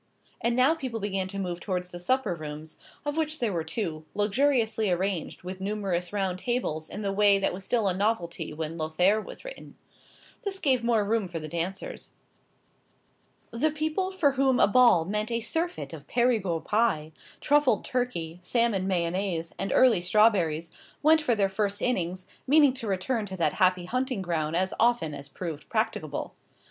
And now people began to move towards the supper rooms, of which there were two, luxuriously arranged with numerous round tables in the way that was still a novelty when "Lothair" was written. This gave more room for the dancers. The people for whom a ball meant a surfeit of perigord pie, truffled turkey, salmon mayonnaise, and early strawberries, went for their first innings, meaning to return to that happy hunting ground as often as proved practicable.